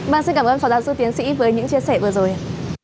vâng xin cảm ơn phó giáo sư tiến sĩ với những chia sẻ vừa rồi